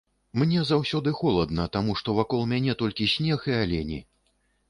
Мне заўсёды холадна, таму што вакол мяне толькі снег і алені.